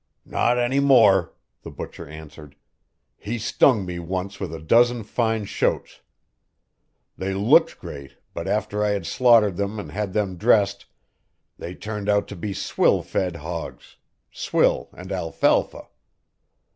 "Not any more," the butcher answered. "He stung me once with a dozen fine shoats. They looked great, but after I had slaughtered them and had them dressed, they turned out to be swill fed hogs swill and alfalfa."